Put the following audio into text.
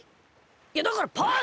いやだからパンだ！